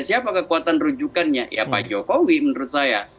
siapa kekuatan rujukannya ya pak jokowi menurut saya